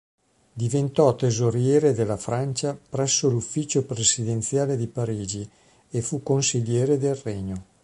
Diventò tesoriere della Francia presso l'Ufficio presidenziale di Parigi ed fu consigliere del regno.